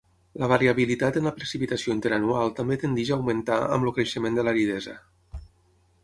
La variabilitat en la precipitació interanual també tendeix a augmentar amb el creixement de l'aridesa.